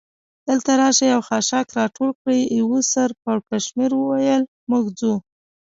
دلته راشئ او خاشاک را ټول کړئ، یوه سر پړکمشر وویل: موږ ځو.